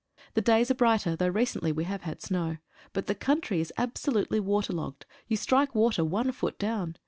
The days are brighter, though recently we have had snow. But the country is absolutely waterlogged. You strike water one foot down.